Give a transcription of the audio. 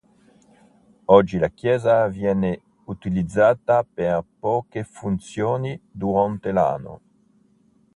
Oggi la chiesa viene utilizzata per poche funzioni durante l'anno.